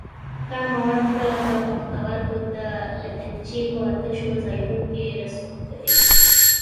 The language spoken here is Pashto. دا مواد کله د پښتورګو د لګنچې په تشو ځایونو کې رسوب کوي.